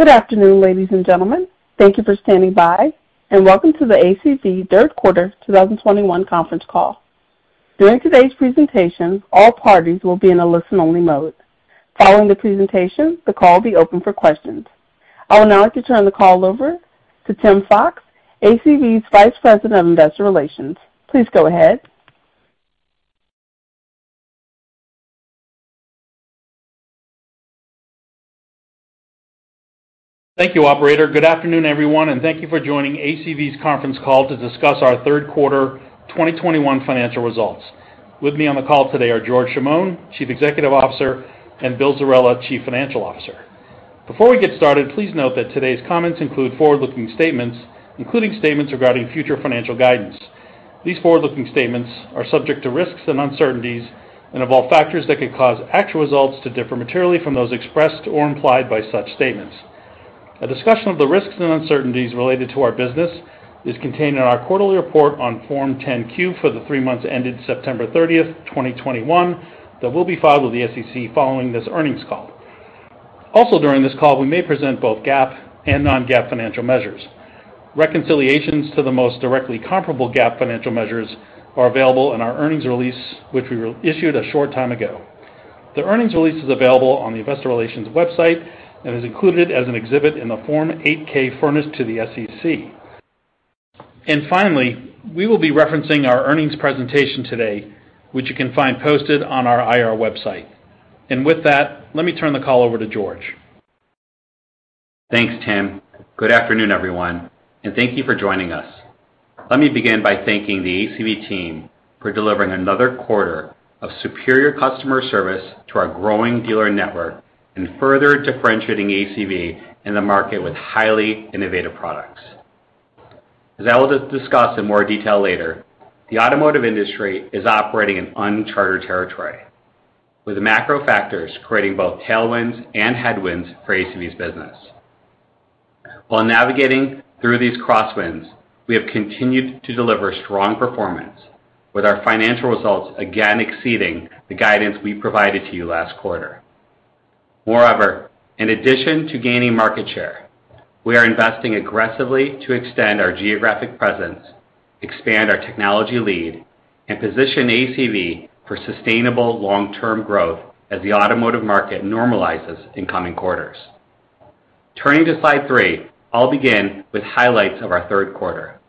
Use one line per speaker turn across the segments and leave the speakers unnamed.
Good afternoon, ladies and gentlemen. Thank you for standing by, and welcome to the ACV third quarter 2021 conference call. During today's presentation, all parties will be in a listen-only mode. Following the presentation, the call will be open for questions. I would now like to turn the call over to Tim Fox, ACV's Vice President of Investor Relations. Please go ahead.
Thank you, operator. Good afternoon, everyone, and thank you for joining ACV's conference call to discuss our third quarter 2021 financial results. With me on the call today are George Chamoun, Chief Executive Officer, and Bill Zerella, Chief Financial Officer. Before we get started, please note that today's comments include forward-looking statements, including statements regarding future financial guidance. These forward-looking statements are subject to risks and uncertainties and involve factors that could cause actual results to differ materially from those expressed or implied by such statements. A discussion of the risks and uncertainties related to our business is contained in our quarterly report on Form 10-Q for the three months ended September 30, 2021, that will be filed with the SEC following this earnings call. Also, during this call, we may present both GAAP and non-GAAP financial measures. Reconciliations to the most directly comparable GAAP financial measures are available in our earnings release, which we issued a short time ago. The earnings release is available on the investor relations website and is included as an exhibit in the Form 8-K furnished to the SEC. Finally, we will be referencing our earnings presentation today, which you can find posted on our IR website. With that, let me turn the call over to George.
Thanks, Tim. Good afternoon, everyone, and thank you for joining us. Let me begin by thanking the ACV team for delivering another quarter of superior customer service to our growing dealer network and further differentiating ACV in the market with highly innovative products. As I will discuss in more detail later, the automotive industry is operating in uncharted territory, with macro factors creating both tailwinds and headwinds for ACV's business. While navigating through these crosswinds, we have continued to deliver strong performance with our financial results again exceeding the guidance we provided to you last quarter. Moreover, in addition to gaining market share, we are investing aggressively to extend our geographic presence, expand our technology lead, and position ACV for sustainable long-term growth as the automotive market normalizes in coming quarters. Turning to slide 3, I'll begin with highlights of our third quarter.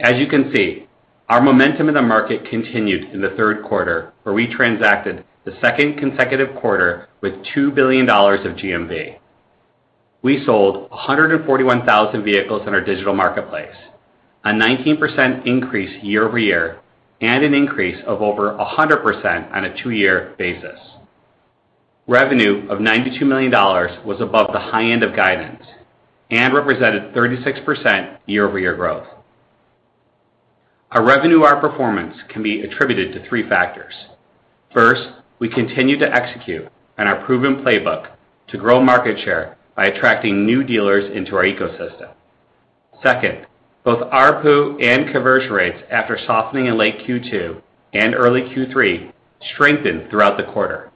As you can see, our momentum in the market continued in the third quarter, where we transacted the second consecutive quarter with $2 billion of GMV. We sold 141,000 vehicles in our digital marketplace, a 19% increase year-over-year, and an increase of over 100% on a two-year basis. Revenue of $92 million was above the high end of guidance and represented 36% year-over-year growth. Our revenue, our performance can be attributed to three factors. First, we continue to execute on our proven playbook to grow market share by attracting new dealers into our ecosystem. Second, both ARPU and conversion rates after softening in late Q2 and early Q3 strengthened throughout the quarter.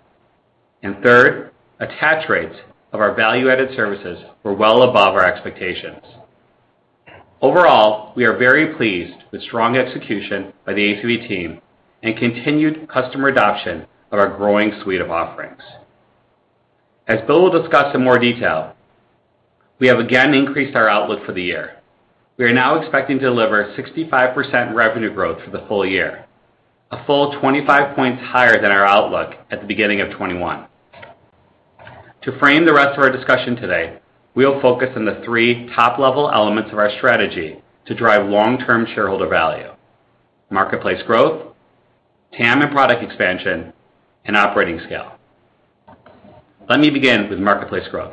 Third, attach rates of our value-added services were well above our expectations. Overall, we are very pleased with strong execution by the ACV team and continued customer adoption of our growing suite of offerings. As Bill will discuss in more detail, we have again increased our outlook for the year. We are now expecting to deliver 65% revenue growth for the full year, a full 25 points higher than our outlook at the beginning of 2021. To frame the rest of our discussion today, we will focus on the three top-level elements of our strategy to drive long-term shareholder value, marketplace growth, TAM and product expansion, and operating scale. Let me begin with marketplace growth.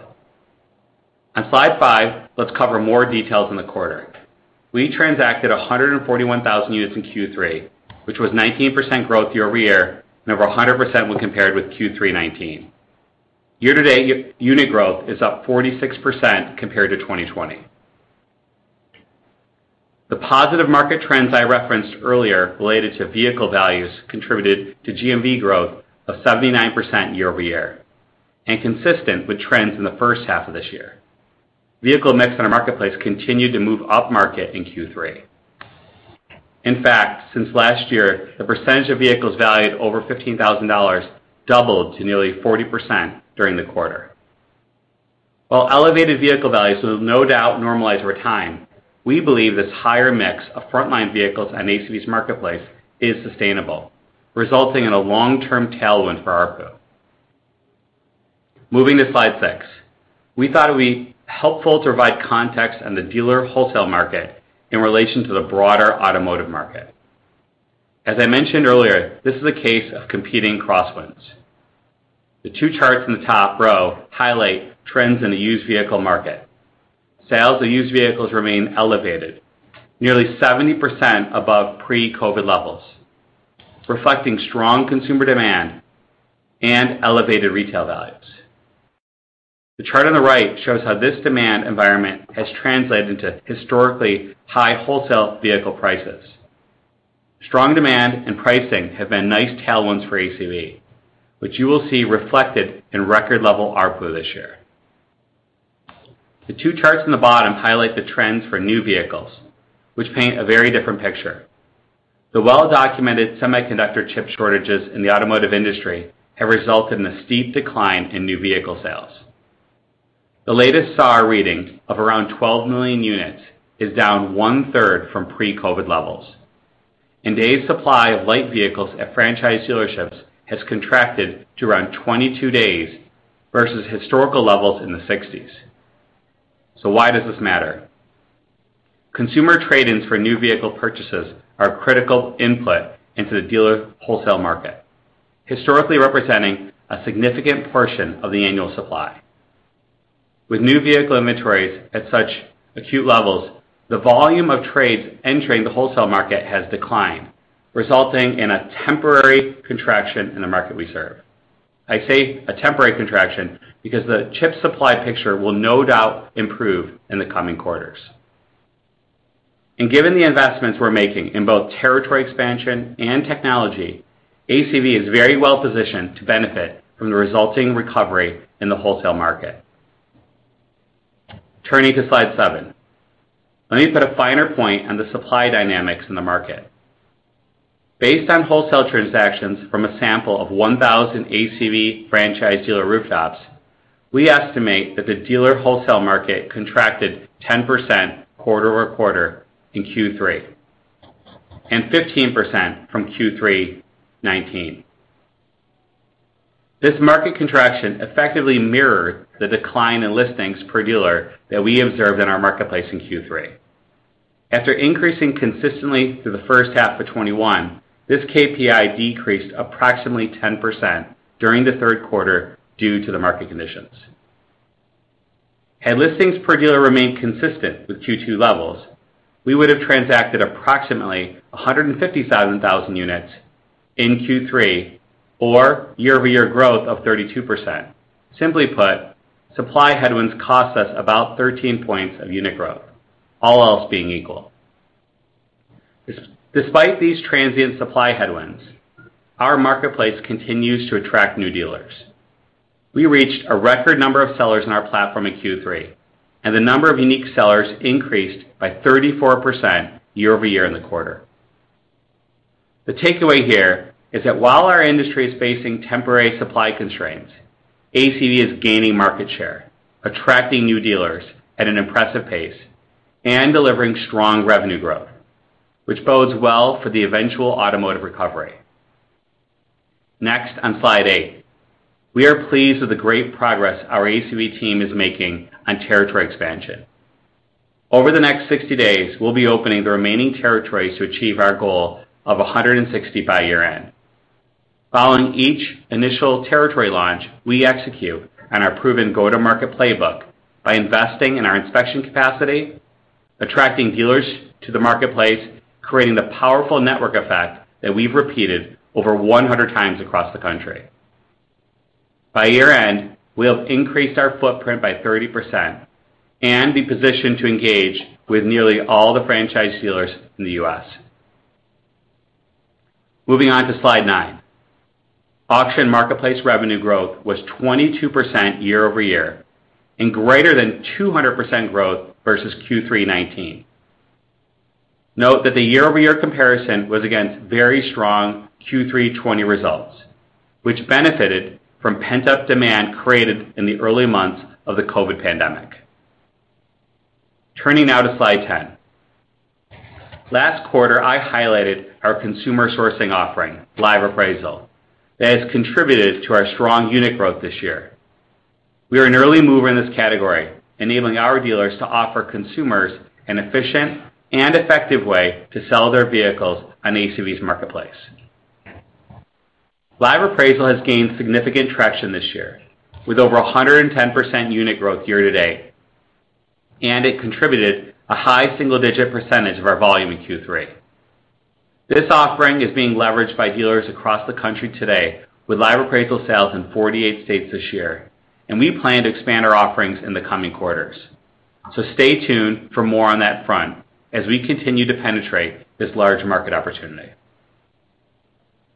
On slide five, let's cover more details in the quarter. We transacted 141,000 units in Q3, which was 19% growth year over year and over 100% when compared with Q3 2019. Year-to-date unit growth is up 46% compared to 2020. The positive market trends I referenced earlier related to vehicle values contributed to GMV growth of 79% year-over-year and consistent with trends in the first half of this year. Vehicle mix in our marketplace continued to move upmarket in Q3. In fact, since last year, the percentage of vehicles valued over $15,000 doubled to nearly 40% during the quarter. While elevated vehicle values will no doubt normalize over time, we believe this higher mix of frontline vehicles on ACV's marketplace is sustainable, resulting in a long-term tailwind for ARPU. Moving to slide 6. We thought it'd be helpful to provide context on the dealer wholesale market in relation to the broader automotive market. As I mentioned earlier, this is a case of competing crosswinds. The two charts in the top row highlight trends in the used vehicle market. Sales of used vehicles remain elevated, nearly 70% above pre-COVID levels, reflecting strong consumer demand and elevated retail values. The chart on the right shows how this demand environment has translated into historically high wholesale vehicle prices. Strong demand and pricing have been nice tailwinds for ACV, which you will see reflected in record level ARPU this year. The two charts on the bottom highlight the trends for new vehicles, which paint a very different picture. The well-documented semiconductor chip shortages in the automotive industry have resulted in a steep decline in new vehicle sales. The latest SAR reading of around 12 million units is down one-third from pre-COVID levels. Days supply of light vehicles at franchise dealerships has contracted to around 22 days versus historical levels in the 60s. Why does this matter? Consumer trade-ins for new vehicle purchases are a critical input into the dealer wholesale market, historically representing a significant portion of the annual supply. With new vehicle inventories at such acute levels, the volume of trades entering the wholesale market has declined, resulting in a temporary contraction in the market we serve. I say a temporary contraction because the chip supply picture will no doubt improve in the coming quarters. Given the investments we're making in both territory expansion and technology, ACV is very well positioned to benefit from the resulting recovery in the wholesale market. Turning to slide seven, let me put a finer point on the supply dynamics in the market. Based on wholesale transactions from a sample of 1,000 ACV franchise dealer rooftops, we estimate that the dealer wholesale market contracted 10% quarter-over-quarter in Q3, and 15% from Q3 2019. This market contraction effectively mirrored the decline in listings per dealer that we observed in our marketplace in Q3. After increasing consistently through the first half of 2021, this KPI decreased approximately 10% during the third quarter due to the market conditions. Had listings per dealer remained consistent with Q2 levels, we would have transacted approximately 150,000 units in Q3, or year-over-year growth of 32%. Simply put, supply headwinds cost us about 13 points of unit growth, all else being equal. Despite these transient supply headwinds, our marketplace continues to attract new dealers. We reached a record number of sellers in our platform in Q3, and the number of unique sellers increased by 34% year over year in the quarter. The takeaway here is that while our industry is facing temporary supply constraints, ACV is gaining market share, attracting new dealers at an impressive pace, and delivering strong revenue growth, which bodes well for the eventual automotive recovery. Next, on slide 8, we are pleased with the great progress our ACV team is making on territory expansion. Over the next 60 days, we'll be opening the remaining territories to achieve our goal of 160 by year-end. Following each initial territory launch, we execute on our proven go-to-market playbook by investing in our inspection capacity, attracting dealers to the marketplace, creating the powerful network effect that we've repeated over 100 times across the country. By year-end, we'll have increased our footprint by 30% and be positioned to engage with nearly all the franchise dealers in the U.S. Moving on to slide 9. Auction marketplace revenue growth was 22% year over year and greater than 200% growth versus Q3 2019. Note that the year-over-year comparison was against very strong Q3 2020 results, which benefited from pent-up demand created in the early months of the COVID pandemic. Turning now to slide 10. Last quarter, I highlighted our consumer sourcing offering, Live Appraisal, that has contributed to our strong unit growth this year. We are an early mover in this category, enabling our dealers to offer consumers an efficient and effective way to sell their vehicles on ACV's marketplace. Live Appraisal has gained significant traction this year with over 110% unit growth year to date, and it contributed a high single-digit percentage of our volume in Q3. This offering is being leveraged by dealers across the country today with Live Appraisal sales in 48 states this year, and we plan to expand our offerings in the coming quarters. Stay tuned for more on that front as we continue to penetrate this large market opportunity.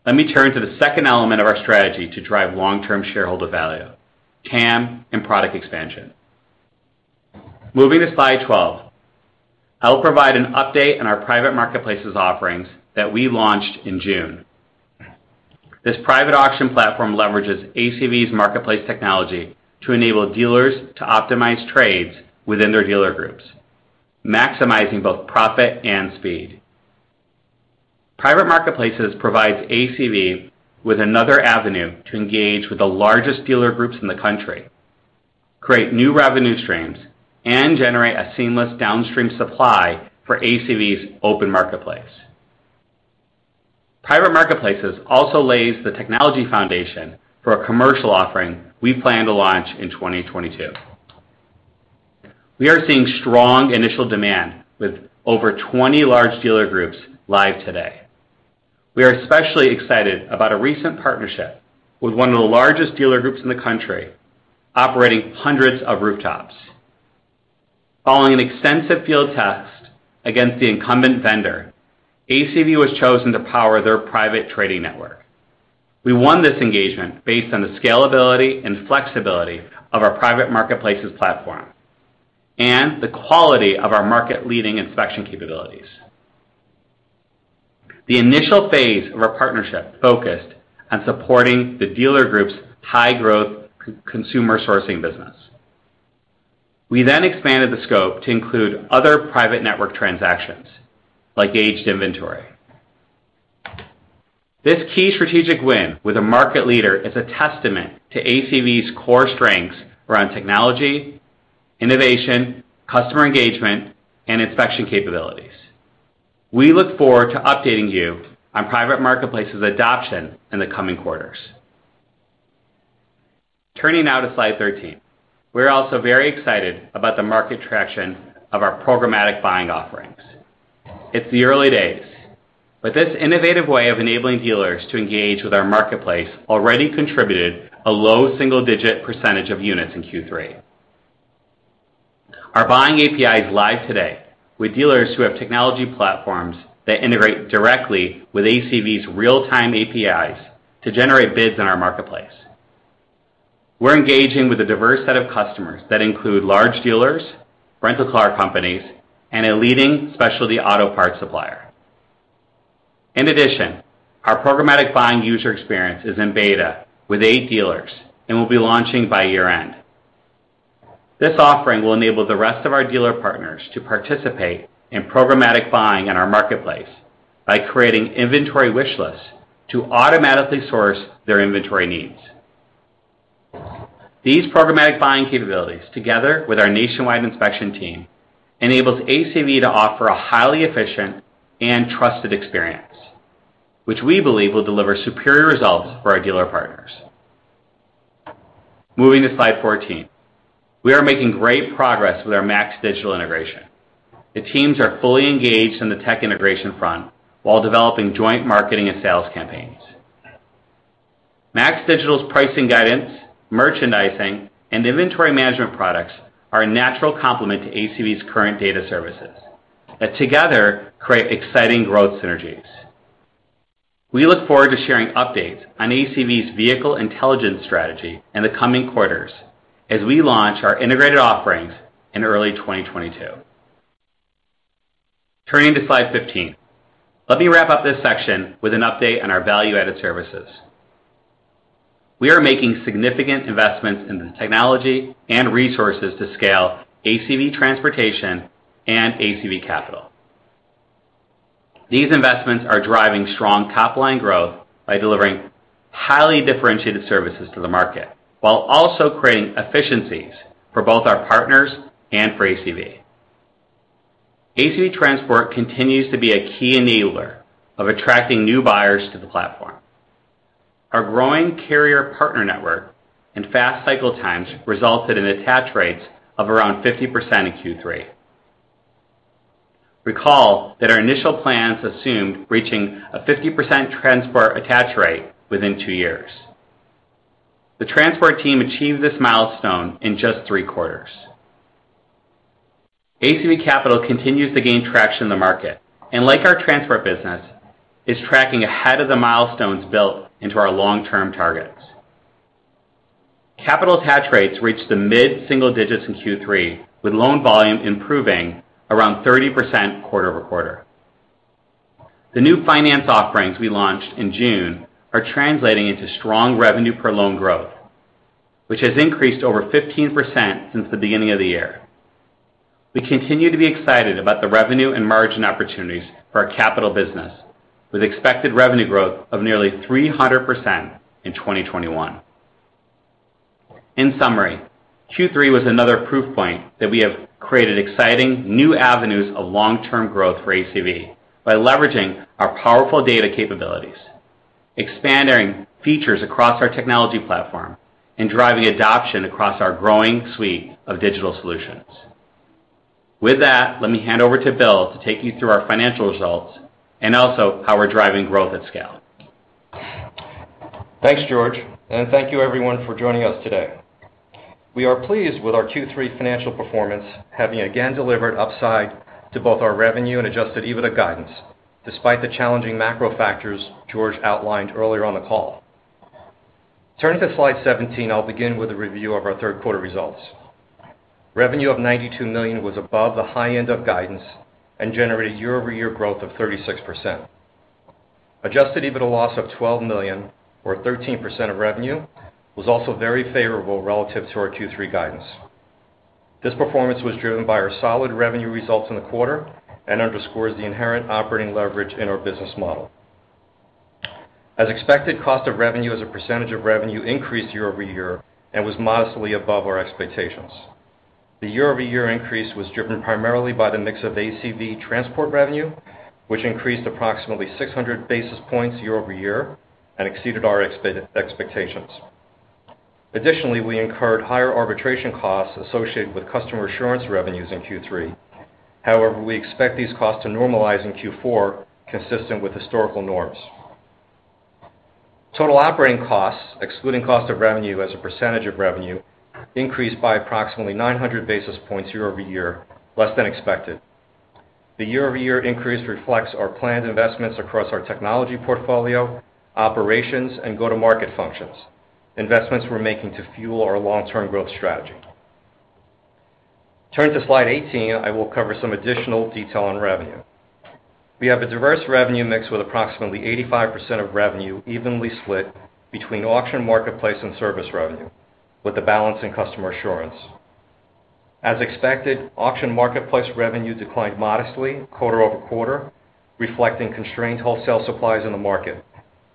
Let me turn to the second element of our strategy to drive long-term shareholder value, TAM and product expansion. Moving to slide 12, I will provide an update on our private marketplaces offerings that we launched in June. This private auction platform leverages ACV's marketplace technology to enable dealers to optimize trades within their dealer groups, maximizing both profit and speed. Private marketplaces provides ACV with another avenue to engage with the largest dealer groups in the country, create new revenue streams, and generate a seamless downstream supply for ACV's open marketplace. Private marketplaces also lays the technology foundation for a commercial offering we plan to launch in 2022. We are seeing strong initial demand with over 20 large dealer groups live today. We are especially excited about a recent partnership with one of the largest dealer groups in the country operating hundreds of rooftops. Following an extensive field test against the incumbent vendor, ACV was chosen to power their private trading network. We won this engagement based on the scalability and flexibility of our private marketplaces platform and the quality of our market-leading inspection capabilities. The initial phase of our partnership focused on supporting the dealer group's high-growth consumer sourcing business. We then expanded the scope to include other private network transactions, like aged inventory. This key strategic win with a market leader is a testament to ACV's core strengths around technology, innovation, customer engagement, and inspection capabilities. We look forward to updating you on private marketplace's adoption in the coming quarters. Turning now to slide 13. We're also very excited about the market traction of our programmatic buying offerings. It's the early days, but this innovative way of enabling dealers to engage with our marketplace already contributed a low single-digit percentage of units in Q3. Our buying API is live today with dealers who have technology platforms that integrate directly with ACV's real-time APIs to generate bids in our marketplace. We're engaging with a diverse set of customers that include large dealers, rental car companies, and a leading specialty auto parts supplier. In addition, our programmatic buying user experience is in beta with 8 dealers and will be launching by year-end. This offering will enable the rest of our dealer partners to participate in programmatic buying in our marketplace by creating inventory wish lists to automatically source their inventory needs. These programmatic buying capabilities, together with our nationwide inspection team, enables ACV to offer a highly efficient and trusted experience, which we believe will deliver superior results for our dealer partners. Moving to slide 14. We are making great progress with our MAX Digital integration. The teams are fully engaged on the tech integration front while developing joint marketing and sales campaigns. MAX Digital's pricing guidance, merchandising, and inventory management products are a natural complement to ACV's current data services that together create exciting growth synergies. We look forward to sharing updates on ACV's vehicle intelligence strategy in the coming quarters as we launch our integrated offerings in early 2022. Turning to slide 15. Let me wrap up this section with an update on our value-added services. We are making significant investments in the technology and resources to scale ACV Transportation and ACV Capital. These investments are driving strong top-line growth by delivering highly differentiated services to the market, while also creating efficiencies for both our partners and for ACV. ACV Transportation continues to be a key enabler of attracting new buyers to the platform. Our growing carrier partner network and fast cycle times resulted in attach rates of around 50% in Q3. Recall that our initial plans assumed reaching a 50% transport attach rate within two years. The transport team achieved this milestone in just three quarters. ACV Capital continues to gain traction in the market, and like our transport business, is tracking ahead of the milestones built into our long-term targets. Capital attach rates reached the mid-single digits in Q3, with loan volume improving around 30% quarter-over-quarter. The new finance offerings we launched in June are translating into strong revenue per loan growth, which has increased over 15% since the beginning of the year. We continue to be excited about the revenue and margin opportunities for our capital business, with expected revenue growth of nearly 300% in 2021. In summary, Q3 was another proof point that we have created exciting new avenues of long-term growth for ACV by leveraging our powerful data capabilities, expanding features across our technology platform, and driving adoption across our growing suite of digital solutions. With that, let me hand over to Bill to take you through our financial results and also how we're driving growth at scale.
Thanks, George, and thank you everyone for joining us today. We are pleased with our Q3 financial performance, having again delivered upside to both our revenue and adjusted EBITDA guidance, despite the challenging macro factors George outlined earlier on the call. Turning to slide 17, I'll begin with a review of our third quarter results. Revenue of $92 million was above the high end of guidance and generated year-over-year growth of 36%. Adjusted EBITDA loss of $12 million or 13% of revenue was also very favorable relative to our Q3 guidance. This performance was driven by our solid revenue results in the quarter and underscores the inherent operating leverage in our business model. As expected, cost of revenue as a percentage of revenue increased year over year and was modestly above our expectations. The year-over-year increase was driven primarily by the mix of ACV transport revenue, which increased approximately 600 basis points year-over-year and exceeded our expectations. Additionally, we incurred higher arbitration costs associated with customer assurance revenues in Q3. However, we expect these costs to normalize in Q4, consistent with historical norms. Total operating costs, excluding cost of revenue as a percentage of revenue, increased by approximately 900 basis points year-over-year, less than expected. The year-over-year increase reflects our planned investments across our technology portfolio, operations, and go-to-market functions, investments we're making to fuel our long-term growth strategy. Turning to slide 18, I will cover some additional detail on revenue. We have a diverse revenue mix with approximately 85% of revenue evenly split between auction marketplace and service revenue, with the balance in customer assurance. As expected, auction marketplace revenue declined modestly quarter-over-quarter, reflecting constrained wholesale supplies in the market,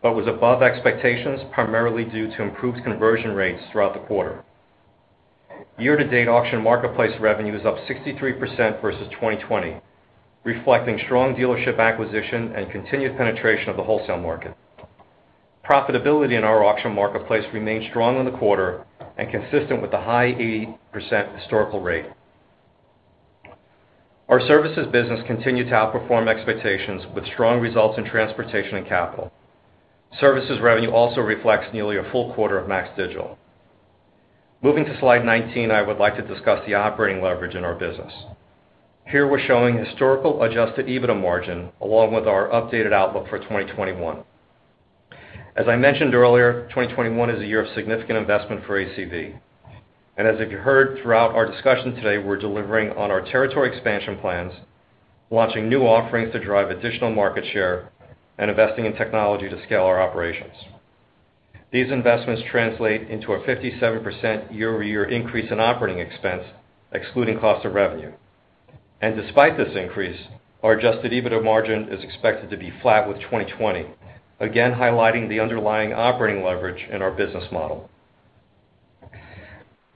but was above expectations, primarily due to improved conversion rates throughout the quarter. Year-to-date auction marketplace revenue is up 63% versus 2020, reflecting strong dealership acquisition and continued penetration of the wholesale market. Profitability in our auction marketplace remained strong in the quarter and consistent with the high 80% historical rate. Our services business continued to outperform expectations with strong results in transportation and capital. Services revenue also reflects nearly a full quarter of MAX Digital. Moving to slide 19, I would like to discuss the operating leverage in our business. Here, we're showing historical adjusted EBITDA margin along with our updated outlook for 2021. As I mentioned earlier, 2021 is a year of significant investment for ACV. As you heard throughout our discussion today, we're delivering on our territory expansion plans, launching new offerings to drive additional market share, and investing in technology to scale our operations. These investments translate into a 57% year-over-year increase in operating expense, excluding cost of revenue. Despite this increase, our adjusted EBITDA margin is expected to be flat with 2020, again highlighting the underlying operating leverage in our business model.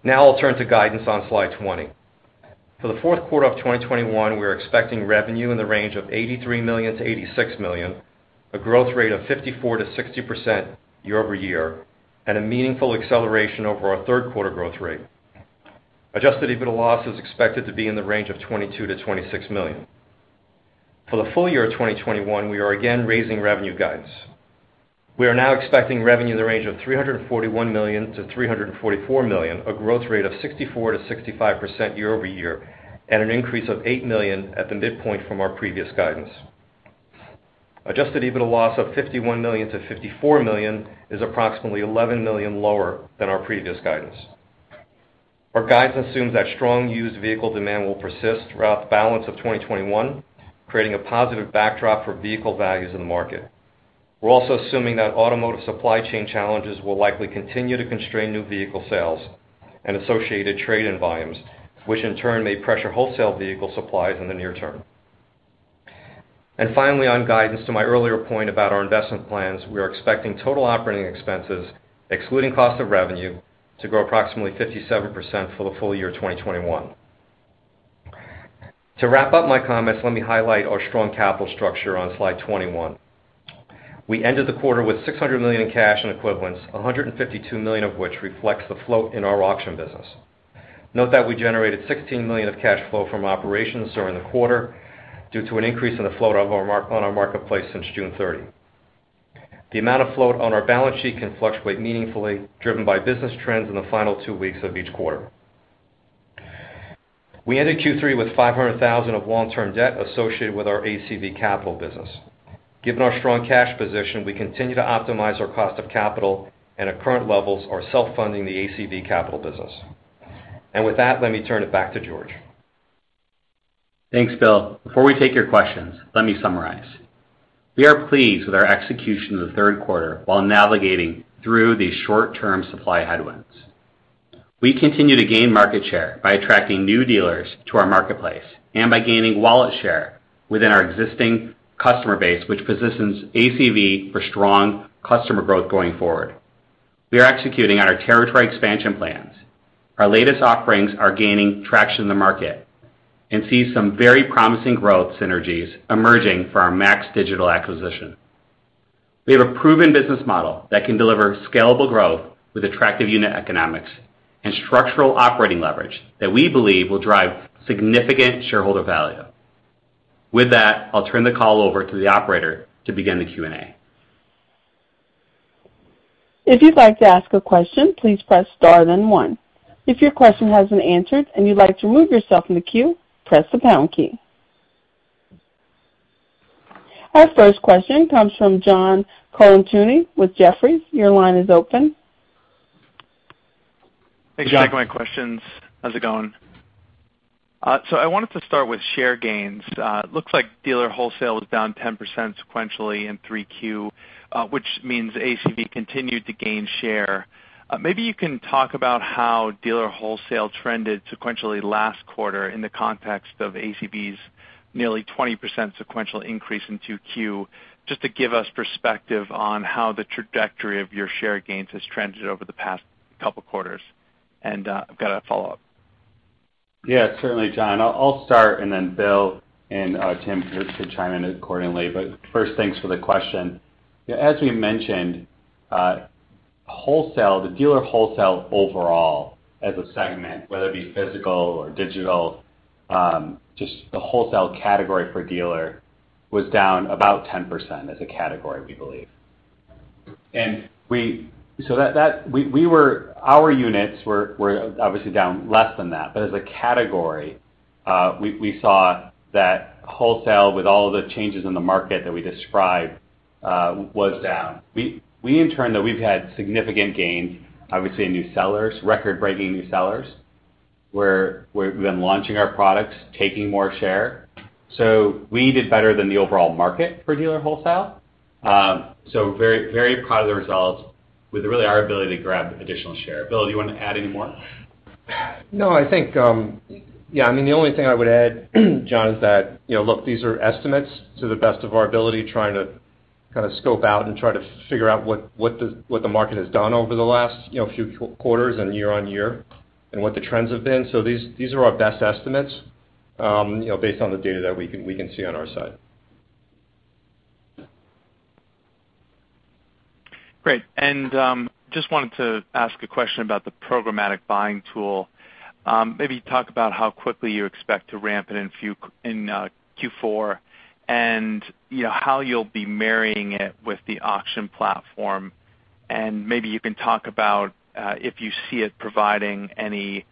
Now, I'll turn to guidance on slide 20. For the fourth quarter of 2021, we are expecting revenue in the range of $83 million-$86 million, a growth rate of 54%-60% year-over-year, and a meaningful acceleration over our third quarter growth rate. Adjusted EBITDA loss is expected to be in the range of $22 million-$26 million. For the full year of 2021, we are again raising revenue guidance. We are now expecting revenue in the range of $341 million-$344 million, a growth rate of 64%-65% year-over-year, and an increase of $8 million at the midpoint from our previous guidance. adjusted EBITDA loss of $51 million-$54 million is approximately $11 million lower than our previous guidance. Our guidance assumes that strong used vehicle demand will persist throughout the balance of 2021, creating a positive backdrop for vehicle values in the market. We're also assuming that automotive supply chain challenges will likely continue to constrain new vehicle sales and associated trade-in volumes, which in turn may pressure wholesale vehicle supplies in the near term. Finally, on guidance to my earlier point about our investment plans, we are expecting total operating expenses, excluding cost of revenue, to grow approximately 57% for the full year 2021. To wrap up my comments, let me highlight our strong capital structure on slide 21. We ended the quarter with $600 million in cash and equivalents, $152 million of which reflects the float in our auction business. Note that we generated $16 million of cash flow from operations during the quarter due to an increase in the float on our marketplace since June 30. The amount of float on our balance sheet can fluctuate meaningfully, driven by business trends in the final two weeks of each quarter. We ended Q3 with $500,000 of long-term debt associated with our ACV Capital business. Given our strong cash position, we continue to optimize our cost of capital, and at current levels are self-funding the ACV Capital business. With that, let me turn it back to George.
Thanks, Bill. Before we take your questions, let me summarize. We are pleased with our execution in the third quarter while navigating through these short-term supply headwinds. We continue to gain market share by attracting new dealers to our marketplace and by gaining wallet share within our existing customer base, which positions ACV for strong customer growth going forward. We are executing on our territory expansion plans. Our latest offerings are gaining traction in the market and we see some very promising growth synergies emerging from our MAX Digital acquisition. We have a proven business model that can deliver scalable growth with attractive unit economics and structural operating leverage that we believe will drive significant shareholder value. With that, I'll turn the call over to the operator to begin the Q&A.
If you'd like to ask a question, please press star then one. If your question has been answered and you'd like to remove yourself from the queue, press the pound key. Our first question comes from John Colantuoni with Jefferies. Your line is open.
Thanks for taking my questions. How's it going? I wanted to start with share gains. It looks like dealer wholesale was down 10% sequentially in 3Q, which means ACV continued to gain share. Maybe you can talk about how dealer wholesale trended sequentially last quarter in the context of ACV's nearly 20% sequential increase in 2Q, just to give us perspective on how the trajectory of your share gains has trended over the past couple quarters. I've got a follow-up.
Yeah, certainly, John. I'll start, and then Bill and Tim can chime in accordingly. First, thanks for the question. As we mentioned, wholesale, the dealer wholesale overall as a segment, whether it be physical or digital, just the wholesale category for dealer was down about 10% as a category, we believe. Our units were obviously down less than that. As a category, we saw that wholesale with all of the changes in the market that we described was down. We in turn though, we've had significant gains, obviously in new sellers, record-breaking new sellers, where we've been launching our products, taking more share. So we did better than the overall market for dealer wholesale. Very proud of the results with really our ability to grab additional share. Bill, do you wanna add any more?
No, I think, yeah, I mean, the only thing I would add, John, is that, you know, look, these are estimates to the best of our ability, trying to kind of scope out and try to figure out what the market has done over the last, you know, few quarters and year on year, and what the trends have been. So these are our best estimates, you know, based on the data that we can see on our side.
Great. Just wanted to ask a question about the programmatic buying tool. Maybe talk about how quickly you expect to ramp it in Q4, and how you'll be marrying it with the auction platform. Maybe you can talk about if you see it providing any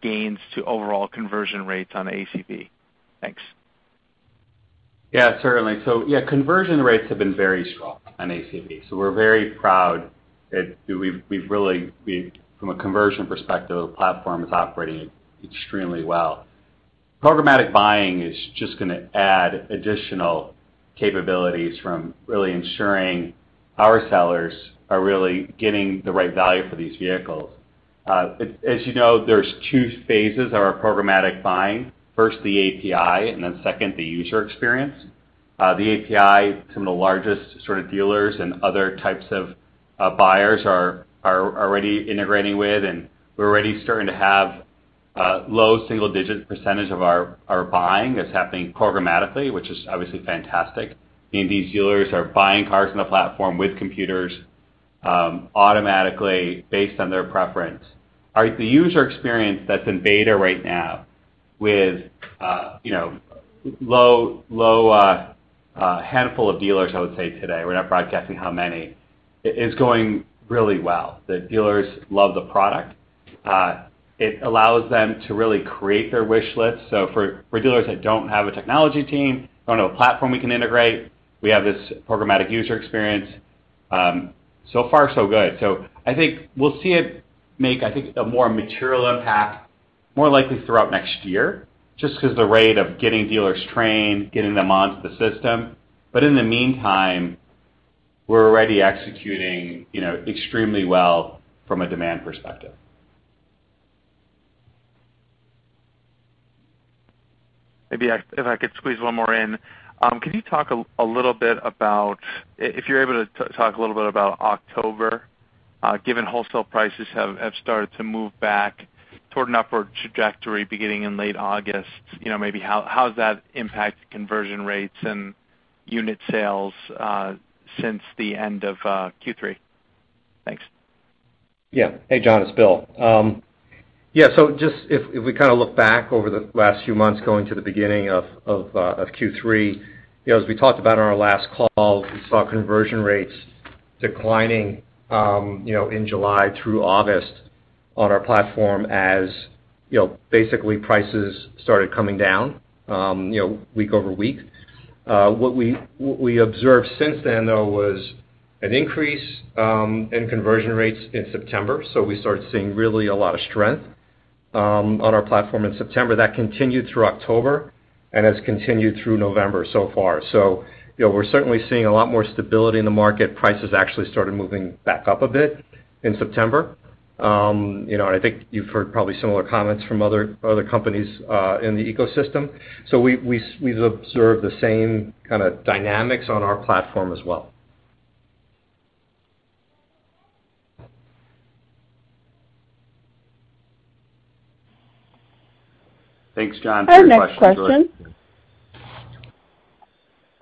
gains to overall conversion rates on ACV. Thanks.
Yeah, certainly. Yeah, conversion rates have been very strong on ACV, so we're very proud that we've really from a conversion perspective, the platform is operating extremely well. Programmatic buying is just gonna add additional capabilities for really ensuring our sellers are really getting the right value for these vehicles. As you know, there's two phases of our programmatic buying. First, the API, and then second, the user experience. The API, some of the largest sort of dealers and other types of buyers are already integrating with, and we're already starting to have low single digit percentage of our buying that's happening programmatically, which is obviously fantastic. Indeed, dealers are buying cars on the platform with computers automatically based on their preference. The user experience that's in beta right now with, you know, low handful of dealers, I would say today, we're not broadcasting how many, is going really well. The dealers love the product. It allows them to really create their wish list. For dealers that don't have a technology team or know a platform we can integrate, we have this programmatic user experience. So far so good. I think we'll see it make, I think, a more material impact, more likely throughout next year, just 'cause the rate of getting dealers trained, getting them onto the system. In the meantime, we're already executing, you know, extremely well from a demand perspective.
Maybe if I could squeeze one more in. Could you talk a little bit about if you're able to talk a little bit about October, given wholesale prices have started to move back toward an upward trajectory beginning in late August. You know, maybe how has that impacted conversion rates and unit sales since the end of Q3? Thanks.
Yeah. Hey, John, it's Bill. Just if we kinda look back over the last few months going to the beginning of Q3, you know, as we talked about on our last call, we saw conversion rates declining, you know, in July through August on our platform as, you know, basically prices started coming down, you know, week over week. What we observed since then, though, was an increase in conversion rates in September. We started seeing really a lot of strength on our platform in September. That continued through October and has continued through November so far. You know, we're certainly seeing a lot more stability in the market. Prices actually started moving back up a bit in September. You know, and I think you've heard probably similar comments from other companies in the ecosystem. We've observed the same kinda dynamics on our platform as well.
Thanks, John, for your questions earlier.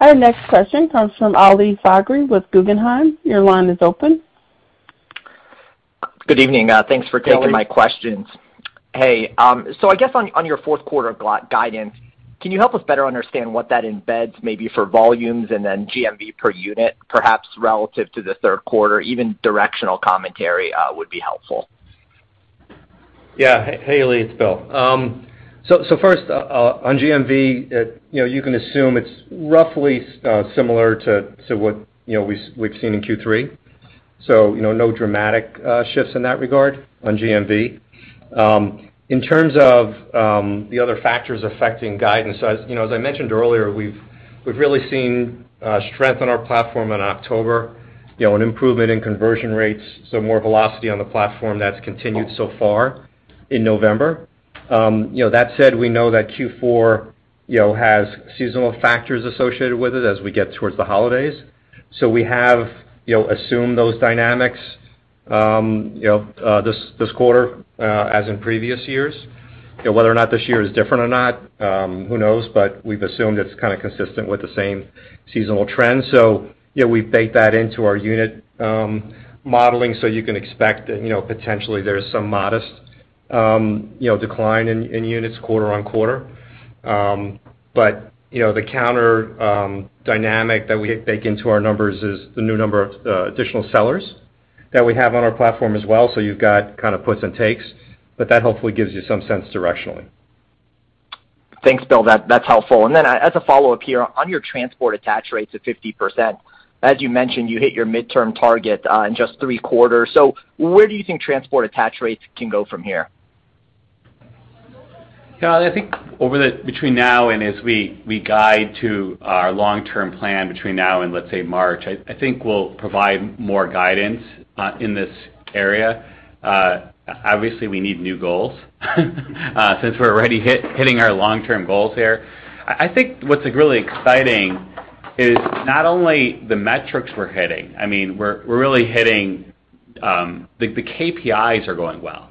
Our next question comes from Ali Faghri with Guggenheim. Your line is open.
Good evening. Thanks for taking my questions.
Hello.
Hey, I guess on your fourth quarter guidance, can you help us better understand what that embeds maybe for volumes and then GMV per unit, perhaps relative to the third quarter? Even directional commentary would be helpful.
Yeah. Hey, Ali, it's Bill. So first, on GMV, you know, you can assume it's roughly similar to what, you know, we've seen in Q3. You know, no dramatic shifts in that regard on GMV. In terms of the other factors affecting guidance, as you know, as I mentioned earlier, we've really seen strength on our platform in October, you know, an improvement in conversion rates, so more velocity on the platform that's continued so far in November. You know, that said, we know that Q4 has seasonal factors associated with it as we get towards the holidays. We have assumed those dynamics, you know, this quarter, as in previous years. Whether or not this year is different or not, who knows? We've assumed it's kind of consistent with the same seasonal trends. Yeah, we bake that into our unit modeling, so you can expect that, you know, potentially there's some modest, you know, decline in units quarter on quarter. You know, the counter dynamic that we bake into our numbers is the new number of additional sellers that we have on our platform as well. You've got kind of puts and takes, but that hopefully gives you some sense directionally.
Thanks, Bill. That's helpful. Then as a follow-up here, on your transport attach rates of 50%, as you mentioned, you hit your midterm target in just three quarters. Where do you think transport attach rates can go from here?
Yeah, I think between now and as we guide to our long-term plan between now and, let's say, March, I think we'll provide more guidance in this area. Obviously, we need new goals since we're already hitting our long-term goals here. I think what's really exciting is not only the metrics we're hitting. I mean, we're really hitting. The KPIs are going well.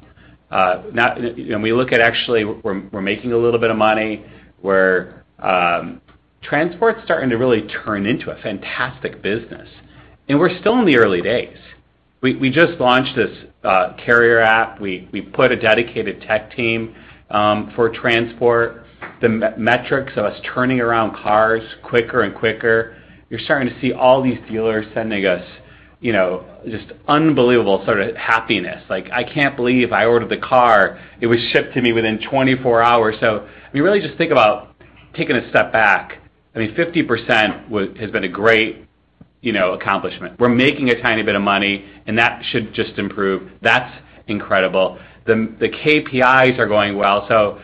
When we look at actually we're making a little bit of money. Transport's starting to really turn into a fantastic business, and we're still in the early days. We just launched this carrier app. We put a dedicated tech team for transport. The metrics of us turning around cars quicker and quicker. You're starting to see all these dealers sending us, you know, just unbelievable sort of happiness. Like, "I can't believe I ordered the car. It was shipped to me within 24 hours." If you really just think about taking a step back, I mean, 50% has been a great, you know, accomplishment. We're making a tiny bit of money, and that should just improve. That's incredible. The KPIs are going well.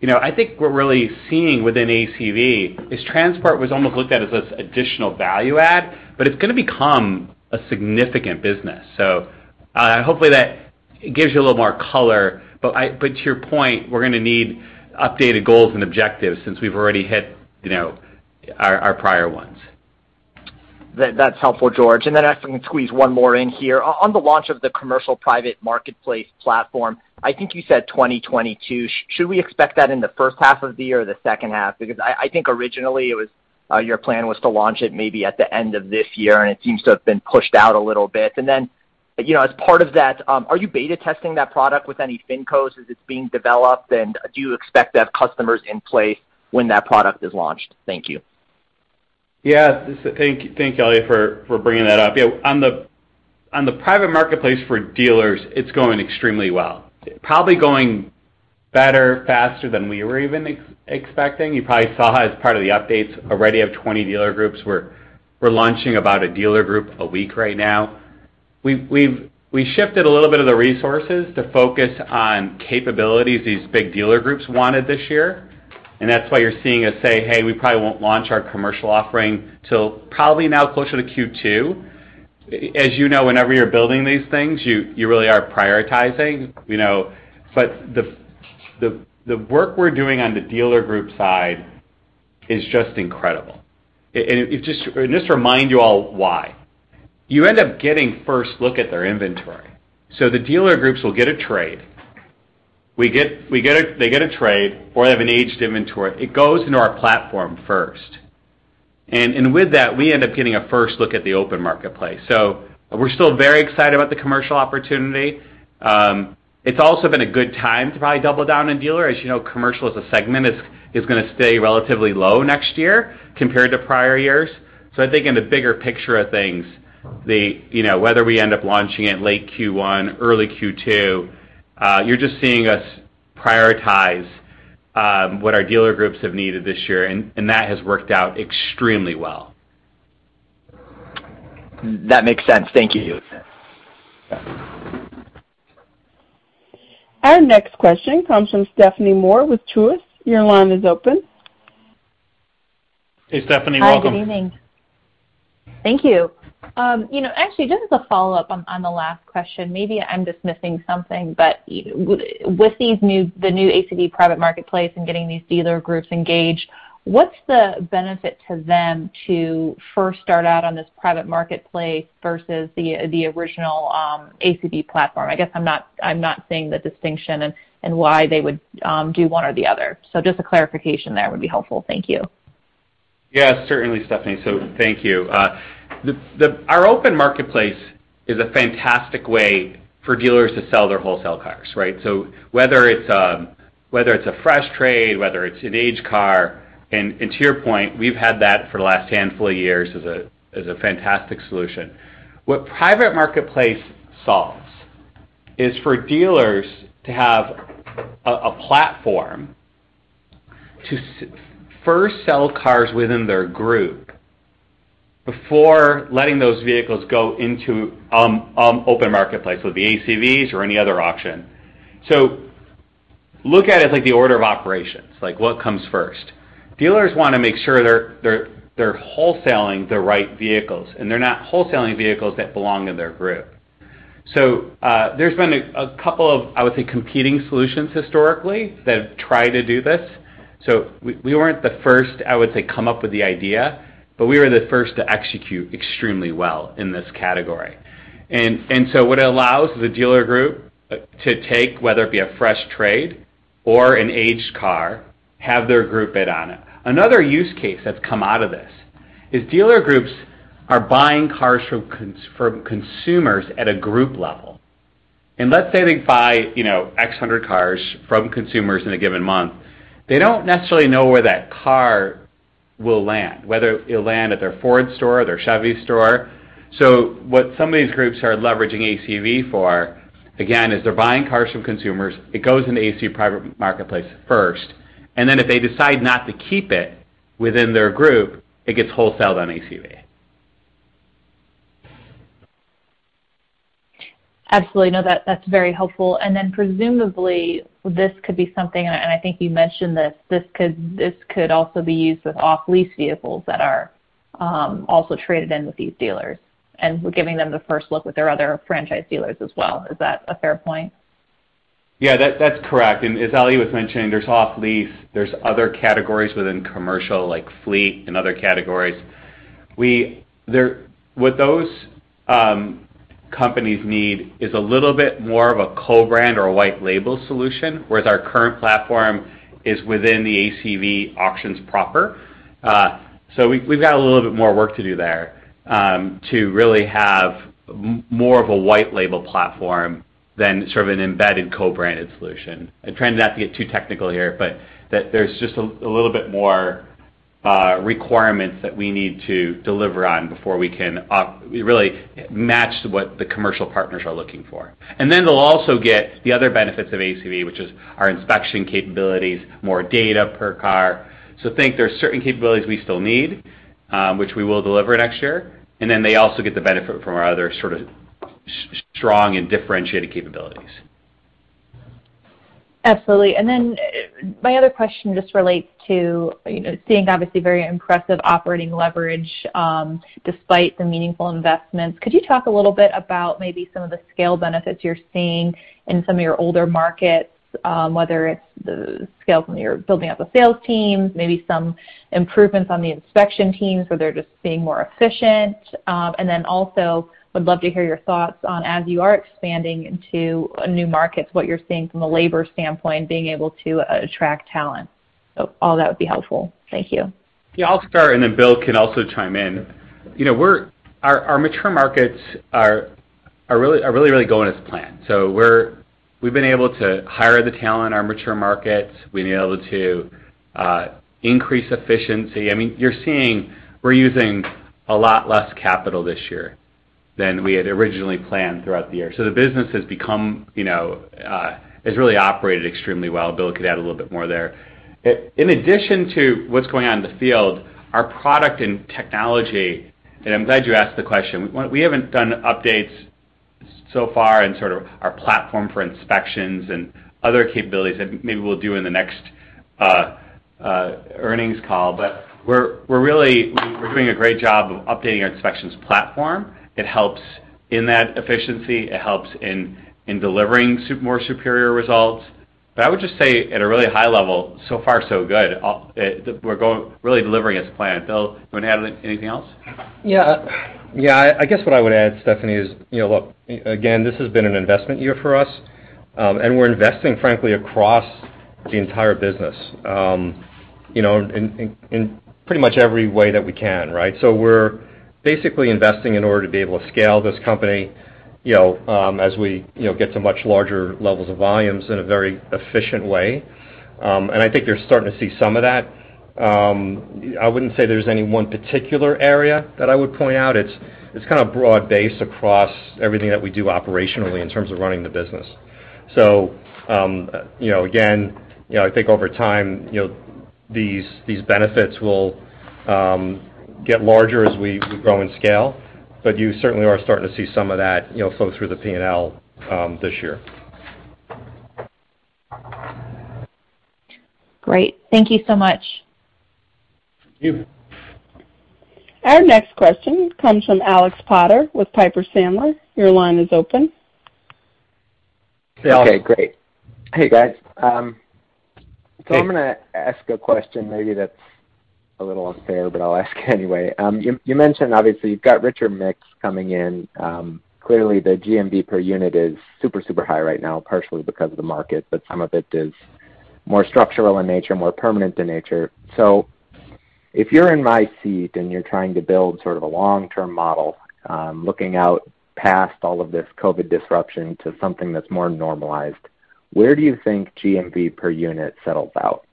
You know, I think what we're really seeing within ACV is transport was almost looked at as this additional value add, but it's gonna become a significant business. Hopefully, that gives you a little more color. To your point, we're gonna need updated goals and objectives since we've already hit, you know, our prior ones.
That's helpful, George. If I can squeeze one more in here. On the launch of the commercial private marketplace platform, I think you said 2022. Should we expect that in the first half of the year or the second half? Because I think originally it was your plan to launch it maybe at the end of this year, and it seems to have been pushed out a little bit. As part of that, are you beta testing that product with any fincos as it's being developed? Do you expect to have customers in place when that product is launched? Thank you.
Yeah. Thanks, Ali Faghri for bringing that up. Yeah, on the private marketplace for dealers, it's going extremely well. Probably going better, faster than we were even expecting. You probably saw as part of the updates already of 20 dealer groups. We're launching about a dealer group a week right now. We've shifted a little bit of the resources to focus on capabilities these big dealer groups wanted this year, and that's why you're seeing us say, "Hey, we probably won't launch our commercial offering till probably now closer to Q2." As you know, whenever you're building these things, you really are prioritizing, you know. The work we're doing on the dealer group side is just incredible. Just to remind you all why. You end up getting first look at their inventory. The dealer groups will get a trade. They get a trade or they have an aged inventory. It goes into our platform first. With that, we end up getting a first look at the open marketplace. We're still very excited about the commercial opportunity. It's also been a good time to probably double down on dealer. As you know, commercial as a segment is gonna stay relatively low next year compared to prior years. I think in the bigger picture of things, you know, whether we end up launching it late Q1, early Q2, you're just seeing us prioritize what our dealer groups have needed this year, and that has worked out extremely well.
That makes sense. Thank you.
Yeah.
Our next question comes from Stephanie Moore with Truist. Your line is open.
Hey, Stephanie, welcome.
Hi, good evening. Thank you. You know, actually, just as a follow-up on the last question, maybe I'm just missing something, but with the new ACV private marketplace and getting these dealer groups engaged, what's the benefit to them to first start out on this private marketplace versus the original ACV platform? I guess I'm not seeing the distinction and why they would do one or the other. Just a clarification there would be helpful. Thank you.
Yeah, certainly, Stephanie. Thank you. Our open marketplace is a fantastic way for dealers to sell their wholesale cars, right? Whether it's a fresh trade, whether it's an aged car, and to your point, we've had that for the last handful of years as a fantastic solution. What private marketplace solves is for dealers to have a platform to first sell cars within their group before letting those vehicles go into open marketplace, so the ACVs or any other auction. Look at it like the order of operations, like what comes first. Dealers wanna make sure they're wholesaling the right vehicles and they're not wholesaling vehicles that belong in their group. There's been a couple of, I would say, competing solutions historically that have tried to do this. We weren't the first, I would say, to come up with the idea, but we were the first to execute extremely well in this category. What it allows the dealer group to take, whether it be a fresh trade or an aged car, have their group bid on it. Another use case that's come out of this is dealer groups are buying cars from consumers at a group level. Let's say they buy, you know, x hundred cars from consumers in a given month. They don't necessarily know where that car will land, whether it lands at their Ford store or their Chevy store. What some of these groups are leveraging ACV for, again, is they're buying cars from consumers. It goes into ACV private marketplace first, and then if they decide not to keep it within their group, it gets wholesaled on ACV.
Absolutely. No, that's very helpful. Presumably this could be something, and I think you mentioned this. This could also be used with off-lease vehicles that are also traded in with these dealers, and we're giving them the first look with their other franchise dealers as well. Is that a fair point?
Yeah, that's correct. As Ali was mentioning, there's off-lease, there's other categories within commercial like fleet and other categories. What those companies need is a little bit more of a co-brand or a white label solution, whereas our current platform is within the ACV Auctions proper. So we've got a little bit more work to do there, to really have more of a white label platform than sort of an embedded co-branded solution. I'm trying not to get too technical here, but there's just a little bit more requirements that we need to deliver on before we can really match what the commercial partners are looking for. Then they'll also get the other benefits of ACV, which is our inspection capabilities, more data per car. I think there's certain capabilities we still need, which we will deliver next year, and then they also get the benefit from our other sort of strong and differentiated capabilities.
Absolutely. Then, my other question just relates to, you know, seeing obviously very impressive operating leverage, despite the meaningful investments. Could you talk a little bit about maybe some of the scale benefits you're seeing in some of your older markets, whether it's the scale from you're building up a sales team, maybe some improvements on the inspection teams where they're just being more efficient. Also would love to hear your thoughts on as you are expanding into new markets, what you're seeing from a labor standpoint, being able to attract talent. All that would be helpful. Thank you.
Yeah. I'll start, and then Bill can also chime in. You know, we're our mature markets are really going as planned. So we've been able to hire the talent in our mature markets. We've been able to increase efficiency. I mean, you're seeing we're using a lot less capital this year than we had originally planned throughout the year. So the business has become, you know, has really operated extremely well. Bill could add a little bit more there. In addition to what's going on in the field, our product and technology. I'm glad you asked the question. We haven't done updates so far in sort of our platform for inspections and other capabilities that maybe we'll do in the next earnings call. But we're really doing a great job of updating our inspections platform. It helps in that efficiency. It helps in delivering more superior results. I would just say at a really high level, so far so good. We're really delivering as planned. Bill, you wanna add anything else?
Yeah. Yeah. I guess what I would add, Stephanie, is, you know, look, again, this has been an investment year for us, and we're investing frankly across the entire business, you know, in pretty much every way that we can, right? We're basically investing in order to be able to scale this company, you know, as we, you know, get to much larger levels of volumes in a very efficient way. I think you're starting to see some of that. I wouldn't say there's any one particular area that I would point out. It's kind of broad-based across everything that we do operationally in terms of running the business. you know, again, you know, I think over time, you know, these benefits will get larger as we grow and scale, but you certainly are starting to see some of that, you know, flow through the P&L this year.
Great. Thank you so much.
Thank you.
Our next question comes from Alex Potter with Piper Sandler. Your line is open.
Alex.
Okay, great. Hey, guys.
Hey.
I'm gonna ask a question maybe that's a little unfair, but I'll ask anyway. You mentioned obviously you've got richer mix coming in. Clearly the GMV per unit is super high right now, partially because of the market, but some of it is more structural in nature, more permanent in nature. If you're in my seat and you're trying to build sort of a long-term model, looking out past all of this COVID disruption to something that's more normalized, where do you think GMV per unit settles out?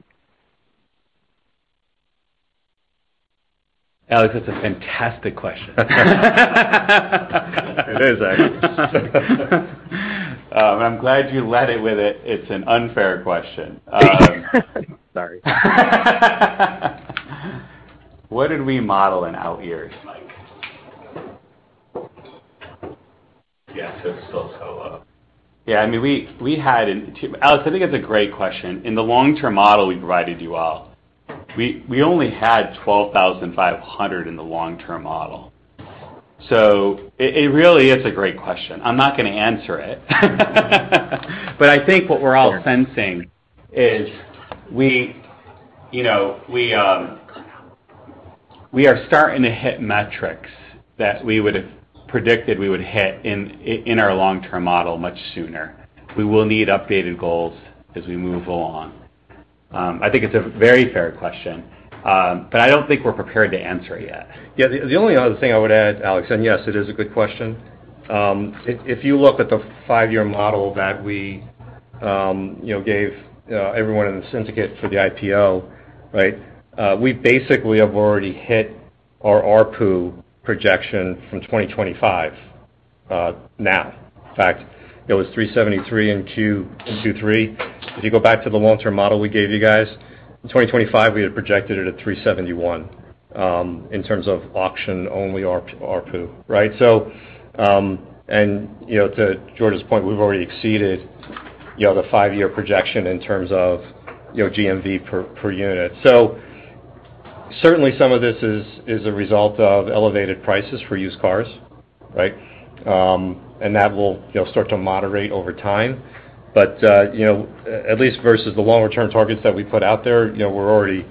Alex, that's a fantastic question.
It is actually.
I'm glad you led it with it. It's an unfair question.
Sorry.
What did we model in out years, Bill?
Yeah. It's still so low.
Yeah. I mean, Alex, I think that's a great question. In the long-term model we provided you all, we only had 12,500 in the long-term model. It really is a great question. I'm not gonna answer it. I think what we're all sensing is, you know, we are starting to hit metrics that we would've predicted we would hit in our long-term model much sooner. We will need updated goals as we move along. I think it's a very fair question, but I don't think we're prepared to answer it yet.
Yeah. The only other thing I would add, Alex, and yes, it is a good question. If you look at the 5-year model that we you know gave everyone in the syndicate for the IPO, right? We basically have already hit our ARPU projection from 2025, now. In fact, it was 373 in Q2 2023. If you go back to the long-term model we gave you guys, in 2025, we had projected it at 371, in terms of auction-only ARPU, right? To George's point, we've already exceeded you know the 5-year projection in terms of you know GMV per unit. Certainly some of this is a result of elevated prices for used cars, right? That will you know start to moderate over time. you know, at least versus the long return targets that we put out there, you know, we're already,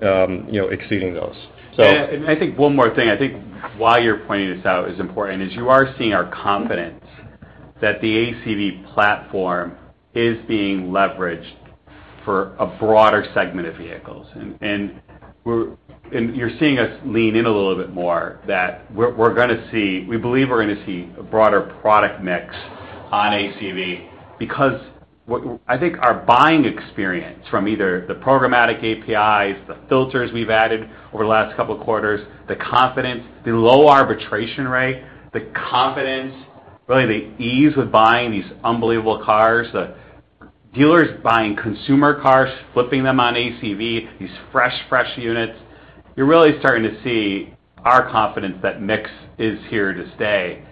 you know, exceeding those.
Yeah. I think one more thing, I think why you're pointing this out is important, is you are seeing our confidence that the ACV platform is being leveraged for a broader segment of vehicles. You're seeing us lean in a little bit more that we're gonna see. We believe we're gonna see a broader product mix on ACV because what I think our buying experience from either the programmatic APIs, the filters we've added over the last couple of quarters, the confidence, the low arbitration rate, the confidence, really the ease with buying these unbelievable cars. The dealers buying consumer cars, flipping them on ACV, these fresh units. You're really starting to see our confidence that mix is here to stay.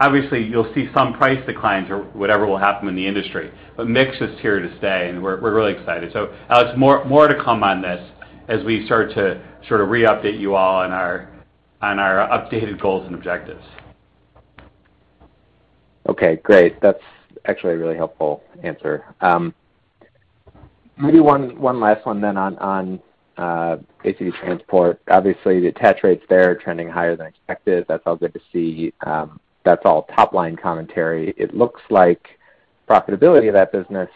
Obviously, you'll see some price declines or whatever will happen in the industry, but mix is here to stay, and we're really excited. Alex, more to come on this as we start to sort of re-update you all on our updated goals and objectives.
Okay, great. That's actually a really helpful answer. Maybe one last one then on ACV Transportation. Obviously, the attach rates there are trending higher than expected. That's all good to see. That's all top line commentary. It looks like profitability of that business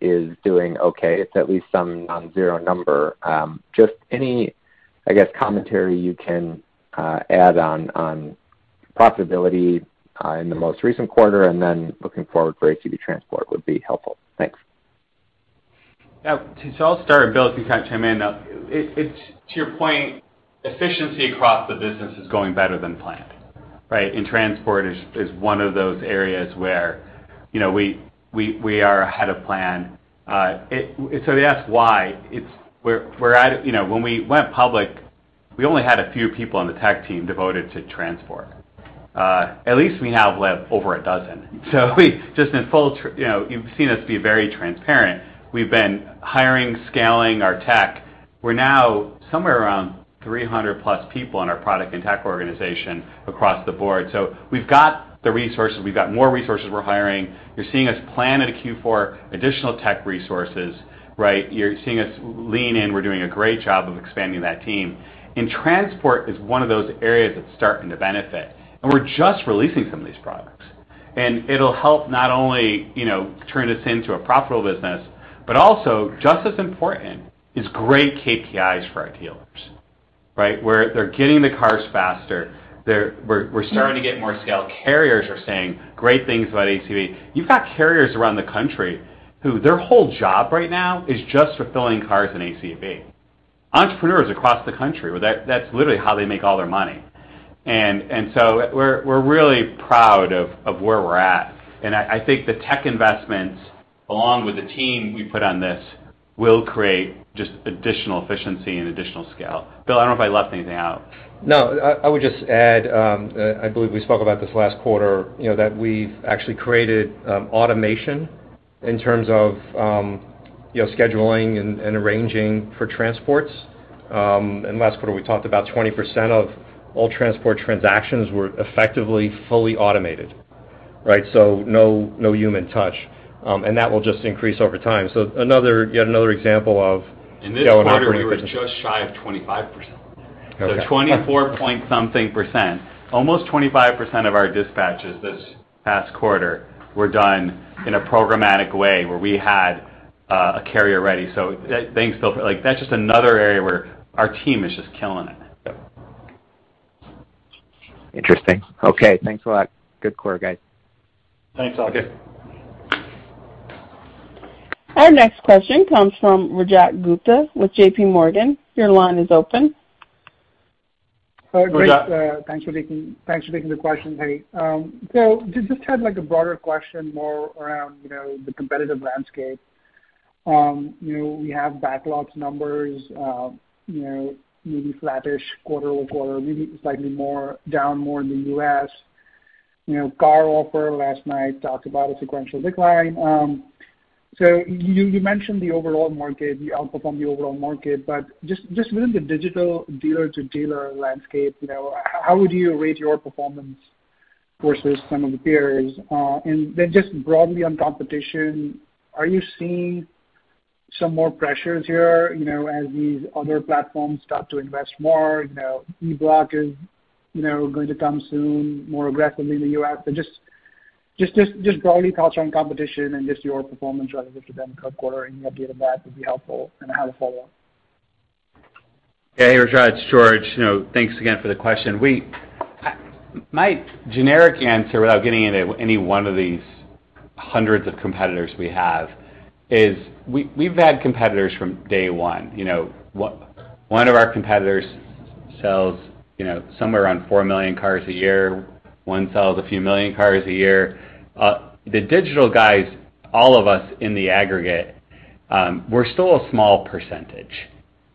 is doing okay. It's at least some non-zero number. Just any, I guess, commentary you can add on profitability in the most recent quarter, and then looking forward for ACV Transportation would be helpful. Thanks.
I'll start, Bill, if you can chime in. To your point, efficiency across the business is going better than planned, right? Transport is one of those areas where, you know, we are ahead of plan. You know, when we went public, we only had a few people on the tech team devoted to transport. At least we now have, like, over a dozen. We've just been full, you know, you've seen us be very transparent. We've been hiring, scaling our tech. We're now somewhere around 300+ people in our product and tech organization across the board. We've got the resources, we've got more resources we're hiring. You're seeing us planning to add additional tech resources in Q4, right? You're seeing us lean in. We're doing a great job of expanding that team. Transport is one of those areas that's starting to benefit, and we're just releasing some of these products. It'll help not only, you know, turn this into a profitable business, but also just as important is great KPIs for our dealers, right? They're getting the cars faster. We're starting to get more scale. Carriers are saying great things about ACV. You've got carriers around the country who their whole job right now is just fulfilling cars in ACV. Entrepreneurs across the country, well, that's literally how they make all their money. We're really proud of where we're at. I think the tech investments, along with the team we put on this, will create just additional efficiency and additional scale. Bill, I don't know if I left anything out.
No. I would just add, I believe we spoke about this last quarter, you know, that we've actually created automation in terms of, you know, scheduling and arranging for transports. Last quarter, we talked about 20% of all transport transactions were effectively fully automated, right? So no human touch. That will just increase over time. Another, yet another example of
In this quarter, we were just shy of 25%.
Okay.
24-something%. Almost 25% of our dispatches this past quarter were done in a programmatic way where we had a carrier ready. Thanks, Bill. Like, that's just another area where our team is just killing it.
Yep.
Interesting. Okay, thanks a lot. Good quarter, guys.
Thanks, Alex.
Okay.
Our next question comes from Rajat Gupta with J.P. Morgan. Your line is open.
Rajat.
All right. Great. Thanks for taking the question, hey. I just had, like, a broader question more around, you know, the competitive landscape. Y, ou know, we have backlogs numbers, you know, maybe flattish quarter-over-quartermaybe slightly more down more in the U.S. You know, CarOffer last night talked about a sequential decline. You mentioned the overall market, you outperformed the overall market, but just within the digital dealer-to-dealer landscape, you know, how would you rate your performance versus some of the peers? And then just broadly on competition, are you seeing some more pressures here, you know, as these other platforms start to invest more? You know, EBlock is, you know, going to come soon, more aggressively in the U.S. Just broadly thoughts on competition and just your performance relative to them per quarter, any update on that would be helpful. I have a follow-up.
Hey, Raj, it's George. You know, thanks again for the question. My generic answer, without getting into any one of these hundreds of competitors we have, is we've had competitors from day one. You know, one of our competitors sells, you know, somewhere around 4 million cars a year, one sells a few million cars a year. The digital guys, all of us in the aggregate, we're still a small percentage,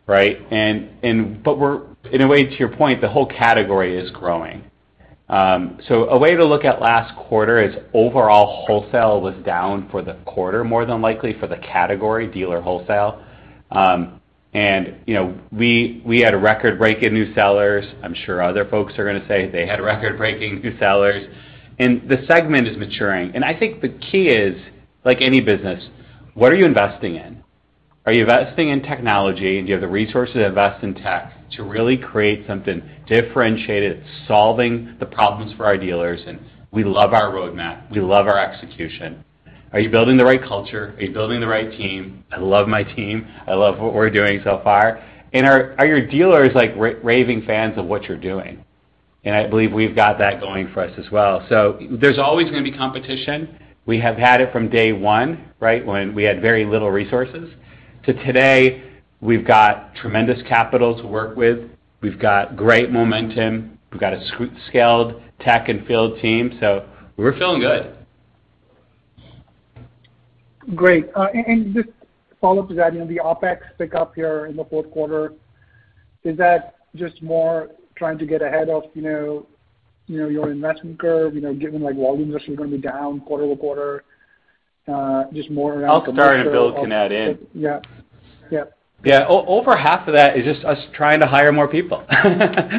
right? In a way, to your point, the whole category is growing. A way to look at last quarter is overall wholesale was down for the quarter, more than likely for the category dealer wholesale. You know, we had a record-breaking new sellers. I'm sure other folks are gonna say they had record-breaking new sellers. The segment is maturing. I think the key is, like any business, what are you investing in? Are you investing in technology? Do you have the resources to invest in tech to really create something differentiated, solving the problems for our dealers? We love our roadmap, we love our execution. Are you building the right culture? Are you building the right team? I love my team. I love what we're doing so far. Are your dealers like raving fans of what you're doing? I believe we've got that going for us as well. There's always gonna be competition. We have had it from day one, right? When we had very little resources to today, we've got tremendous capital to work with. We've got great momentum. We've got a scaled tech and field team, so we're feeling good.
Great. And just a follow-up to that, you know, the OpEx pickup here in the fourth quarter, is that just more trying to get ahead of, you know, your investment curve, you know, given like volumes are gonna be down quarter-over-quarter, just more around-
I'll start and Bill can add in.
Yeah. Yep.
Yeah. Over half of that is just us trying to hire more people.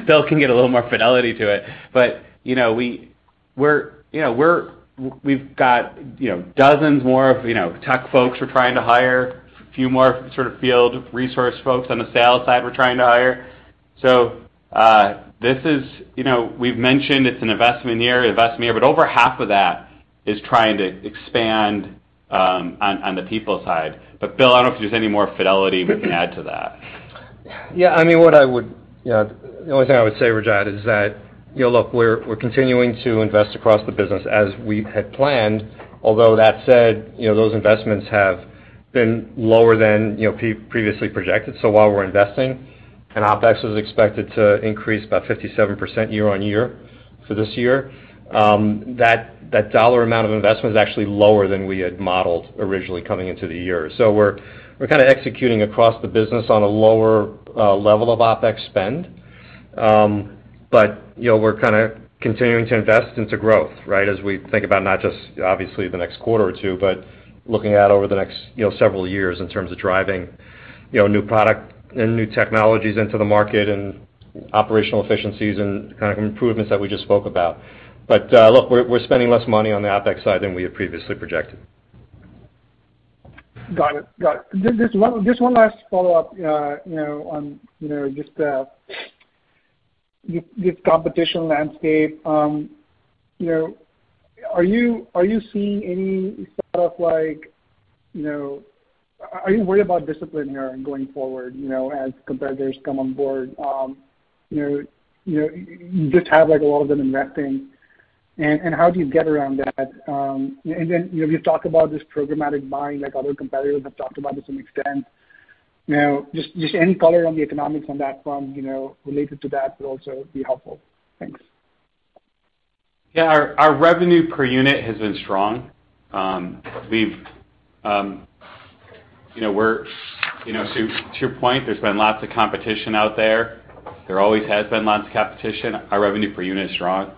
Bill can get a little more fidelity to it. You know, we're, you know, we've got, you know, dozens more of, you know, tech folks we're trying to hire, few more sort of field resource folks on the sales side we're trying to hire. This is, you know, we've mentioned it's an investment year, but over half of that is trying to expand on the people side. Bill, I don't know if there's any more fidelity you can add to that.
Yeah, I mean, the only thing I would say, Raj, is that, you know, look, we're continuing to invest across the business as we had planned. Although that said, you know, those investments have been lower than, you know, previously projected. So while we're investing, and OpEx was expected to increase by 57% year-over-year for this year, that dollar amount of investment is actually lower than we had modeled originally coming into the year. So we're kinda executing across the business on a lower level of OpEx spend. But, you know, we're kinda continuing to invest into growth, right? As we think about not just obviously the next quarter or two, but looking out over the next, you know, several years in terms of driving, you know, new product and new technologies into the market, and operational efficiencies and kind of improvements that we just spoke about. Look, we're spending less money on the OpEx side than we had previously projected.
Got it. Just one last follow-up, you know, on this competition landscape. You know, are you seeing any sort of like, you know? Are you worried about discipline here going forward, you know, as competitors come on board? You know, you just have like a lot of them investing and how do you get around that? Then, you know, you've talked about this programmatic buying like other competitors have talked about to some extent. You know, just any color on the economics on that front, you know, related to that would also be helpful. Thanks.
Yeah, our revenue per unit has been strong. You know, to your point, there's been lots of competition out there. There always has been lots of competition. Our revenue per unit is strong.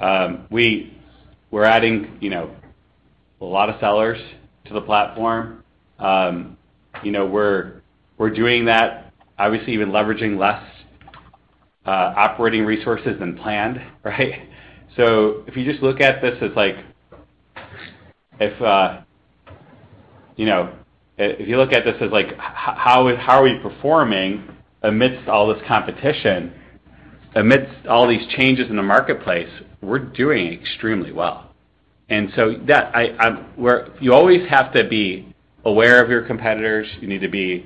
We're adding, you know, a lot of sellers to the platform. You know, we're doing that obviously even leveraging less operating resources than planned, right? If you just look at this as, you know, how we are performing amidst all this competition, amidst all these changes in the marketplace, we're doing extremely well. You always have to be aware of your competitors. You need to be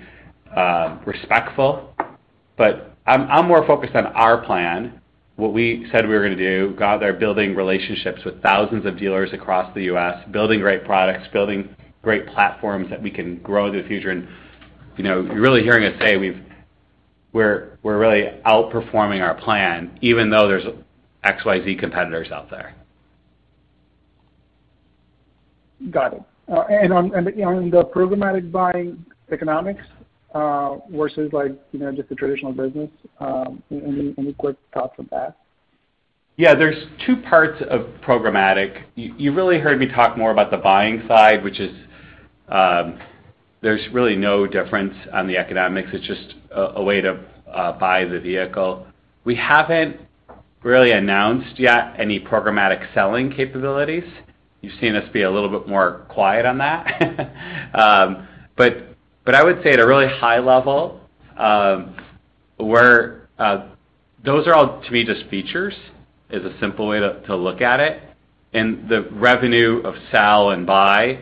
respectful, but I'm more focused on our plan, what we said we were gonna do. God, they're building relationships with thousands of dealers across the U.S., building great products, building great platforms that we can grow in the future. You know, you're really hearing us say we're really outperforming our plan, even though there's XYZ competitors out there.
Got it. On the programmatic buying economics, versus like, you know, just the traditional business, any quick thoughts on that?
Yeah. There's two parts of programmatic. You really heard me talk more about the buying side, which is, there's really no difference on the economics. It's just a way to buy the vehicle. We haven't really announced yet any programmatic selling capabilities. You've seen us be a little bit more quiet on that. But I would say at a really high level, those are all to me just features, is a simple way to look at it. The revenue of sell and buy,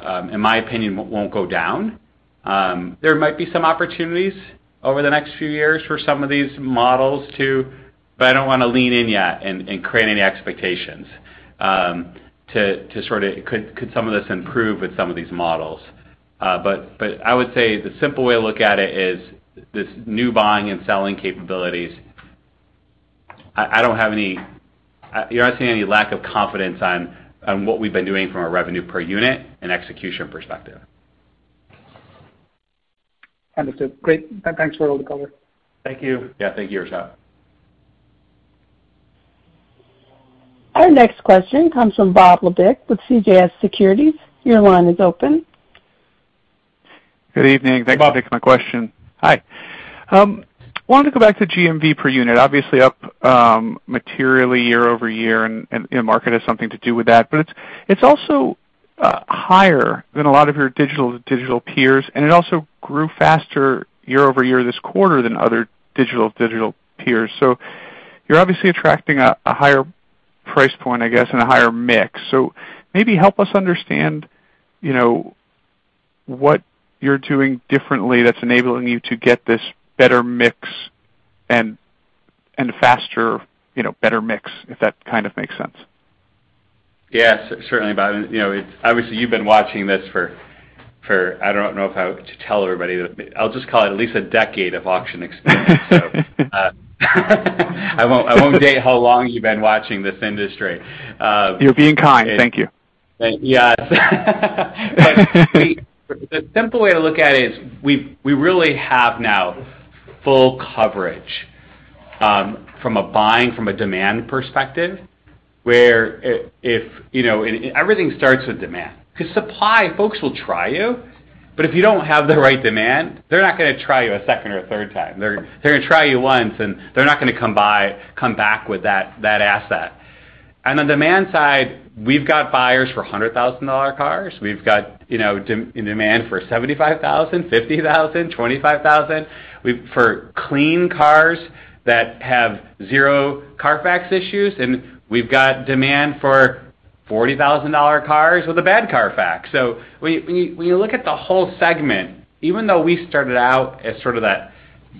in my opinion won't go down. There might be some opportunities over the next few years for some of these models too, but I don't wanna lean in yet and create any expectations, to sort of could some of this improve with some of these models. I would say the simple way to look at it is this new buying and selling capabilities. I don't have any. You're not seeing any lack of confidence on what we've been doing from a revenue per unit and execution perspective.
Understood. Great. Thanks for all the color.
Thank you.
Yeah. Thank you, Rajat Gupta.
Our next question comes from Bob Labick with CJS Securities. Your line is open.
Good evening.
Bob.
Thanks for taking my question. Hi. Wanted to go back to GMV per unit. Obviously up materially year over year, and market has something to do with that. It's also higher than a lot of your digital peers, and it also grew faster year over year this quarter than other digital peers. You're obviously attracting a higher price point, I guess, and a higher mix. Maybe help us understand, you know, what you're doing differently that's enabling you to get this better mix and a faster, you know, better mix, if that kind of makes sense.
Yeah, certainly Bob. You know, it's obviously you've been watching this for, I don't know if I to tell everybody. I'll just call it at least a decade of auction experience. I won't date how long you've been watching this industry.
You're being kind. Thank you.
Yeah. The simple way to look at it is we really have now full coverage from a buying, from a demand perspective, where everything starts with demand. 'Cause supply, folks will try you, but if you don't have the right demand, they're not gonna try you a second or a third time. They're gonna try you once, and they're not gonna come back with that asset. On the demand side, we've got buyers for $100,000 cars. We've got in demand for $75,000, $50,000, $25,000. We've got for clean cars that have zero CARFAX issues, and we've got demand for $40,000 cars with a bad CARFAX. When you look at the whole segment, even though we started out as sort of that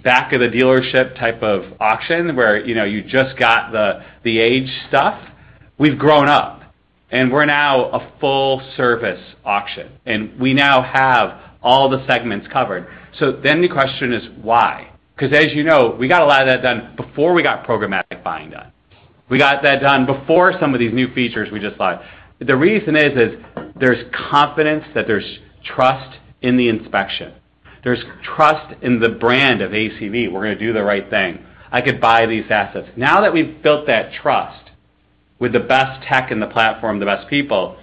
back of the dealership type of auction where, you know, you just got the age stuff, we've grown up, and we're now a full service auction, and we now have all the segments covered. The question is why? 'Cause as you know, we got a lot of that done before we got programmatic buying done. We got that done before some of these new features we just bought. The reason is there's confidence that there's trust in the inspection. There's trust in the brand of ACV. We're gonna do the right thing. I could buy these assets. Now that we've built that trust with the best tech in the platform, the best people,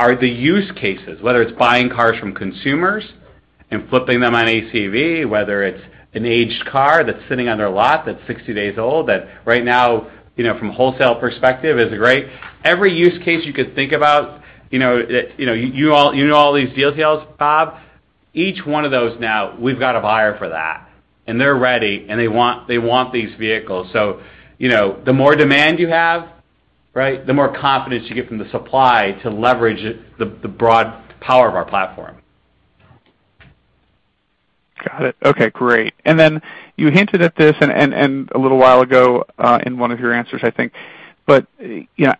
are the use cases, whether it's buying cars from consumers and flipping them on ACV, whether it's an aged car that's sitting on their lot that's 60 days old, that right now, you know, from a wholesale perspective is great. Every use case you could think about, you know, it, you know, you all, you know all these details, Bob, each one of those now we've got a buyer for that, and they're ready, and they want these vehicles. You know, the more demand you have, right, the more confidence you get from the supply to leverage it, the broad power of our platform.
Got it. Okay, great. Then you hinted at this and a little while ago in one of your answers, I think. You know,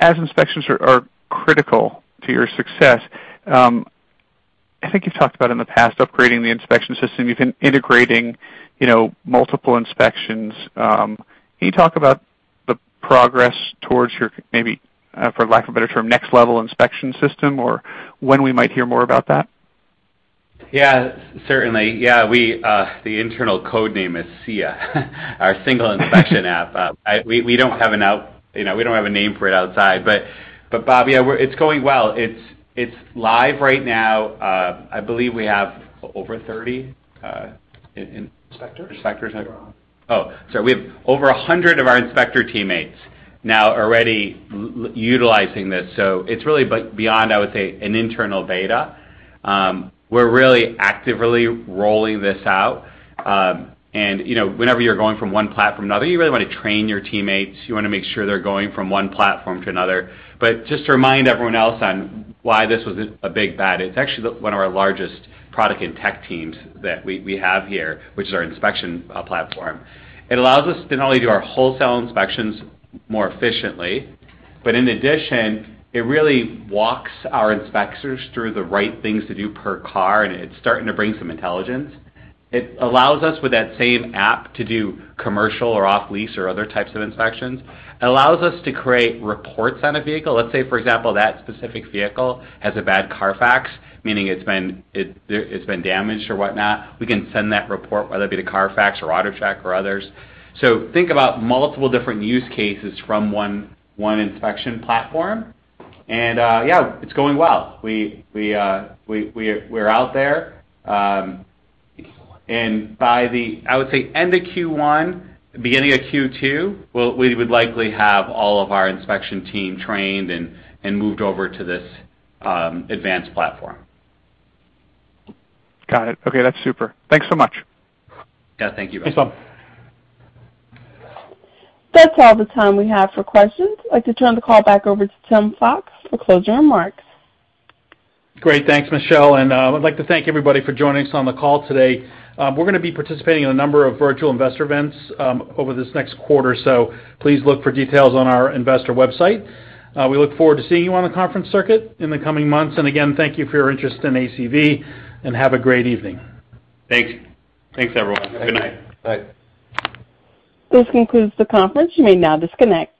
as inspections are critical to your success, I think you've talked about in the past upgrading the inspection system. You've been integrating, you know, multiple inspections. Can you talk about the progress towards your maybe, for lack of a better term, next level inspection system or when we might hear more about that?
Yeah, certainly. Yeah, the internal code name is SIA, our Single Inspection App. We don't have a name for it outside, you know. Bob, yeah, it's going well. It's live right now. I believe we have over 30 in-
Inspectors.
Inspectors.
Yeah.
Oh, we have over 100 of our inspector teammates now already utilizing this. It's really beyond, I would say, an internal beta. We're really actively rolling this out. You know, whenever you're going from one platform to another, you really want to train your teammates. You wanna make sure they're going from one platform to another. Just to remind everyone else on why this was a big bet, it's actually the one of our largest product and tech teams that we have here, which is our inspection platform. It allows us to not only do our wholesale inspections more efficiently, but in addition, it really walks our inspectors through the right things to do per car, and it's starting to bring some intelligence. It allows us with that same app to do commercial or off lease or other types of inspections. It allows us to create reports on a vehicle. Let's say, for example, that specific vehicle has a bad CARFAX, meaning it's been damaged or whatnot, we can send that report, whether it be to CARFAX or AutoCheck or others. Think about multiple different use cases from one inspection platform. Yeah, it's going well. We're out there, and by the end of Q1, beginning of Q2, we would likely have all of our inspection team trained and moved over to this advanced platform.
Got it. Okay. That's super. Thanks so much.
Yeah. Thank you, Bob.
Thanks, Bob.
That's all the time we have for questions. I'd like to turn the call back over to Tim Fox for closing remarks.
Great. Thanks, Michelle. I'd like to thank everybody for joining us on the call today. We're gonna be participating in a number of virtual investor events over this next quarter, so please look for details on our investor website. We look forward to seeing you on the conference circuit in the coming months. Again, thank you for your interest in ACV, and have a great evening.
Thanks. Thanks, everyone. Good night.
Bye.
This concludes the conference. You may now disconnect.